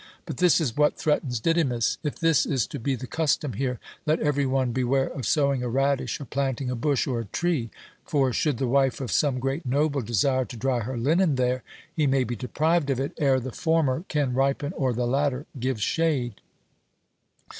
But this is what threatens Didymus. If this is to be the custom here, let every one beware of sowing a radish or planting a bush or a tree, for should the wife of some great noble desire to dry her linen there, he may be deprived of it ere the former can ripen or the latter give shade."